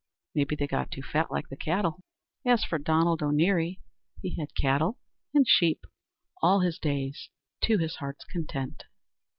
Maybe they got too fat, like the cattle. As for Donald O'Neary, he had cattle and sheep all his days to his heart's content.